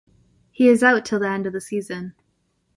He is out till the end of the season.